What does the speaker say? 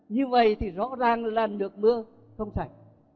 như vậy thì rõ ràng là nước mưa không sạch